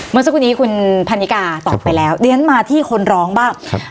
เมื่อสักครู่นี้คุณพันนิกาตอบไปแล้วเดี๋ยวฉันมาที่คนร้องบ้างครับ